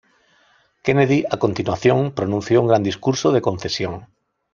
Kennedy, a continuación, pronunció un gran discurso de concesión.